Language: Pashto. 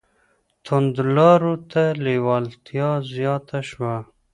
توندو لارو ته لېوالتیا زیاته شوه